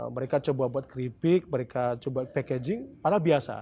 mereka coba buat keripik mereka coba packaging padahal biasa